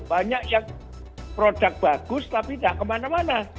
banyak yang produk bagus tapi tidak kemana mana